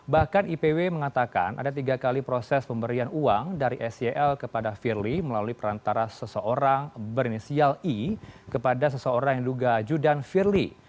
bahkan ipw mengatakan ada tiga kali proses pemberian uang dari sel kepada firly melalui perantara seseorang berinisial i kepada seseorang yang diduga judan firly